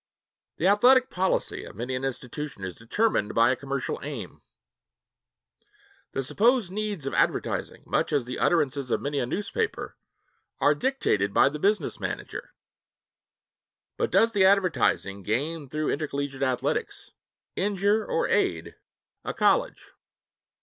The athletic policy of many an institution is determined by a commercial aim, the supposed needs of advertising, much as the utterances of many a newspaper are dictated by the business manager. But does the advertising gained through intercollegiate athletics injure or aid a college?